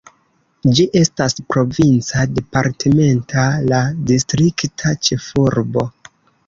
Ĝi estas provinca, departementa ka distrikta ĉefurbo.